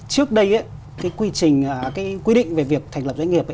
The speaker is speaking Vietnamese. trước đây cái quy định về việc thành lập doanh nghiệp